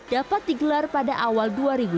dapat digelar pada awal dua ribu dua puluh